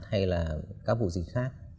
hay là các vụ dịch khác